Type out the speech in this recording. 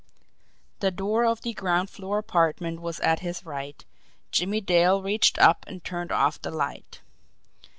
The door of the ground floor apartment was at his right, Jimmie Dale reached up and turned off the light.